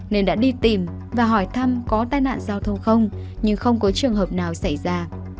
nên đã đi tìm và hỏi thăm có tai nạn giao thông không nhưng không có trường hợp nào xảy ra